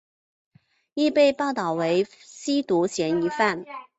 亦被报导为吸毒嫌疑犯。